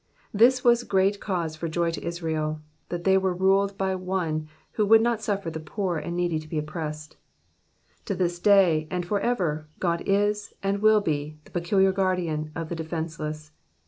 This was great caufee for joy to Israel, that they were ruled by ONE who would not suffer the poor and needy to be oppressed. To this day and for ever, God is, and will be, the peculiar guardian of the defenceless.